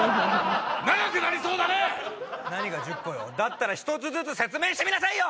長くなりそうだね何が１０個よだったら１つずつ説明してみなさいよ！